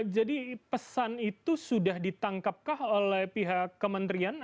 jadi pesan itu sudah ditangkapkah oleh pihak kementerian